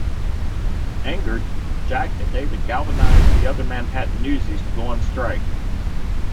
Angered, Jack and David galvanize the other Manhattan newsies to go on strike.